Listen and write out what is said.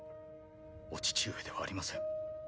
お父上ではありません。